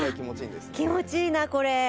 気持ちいいなこれ。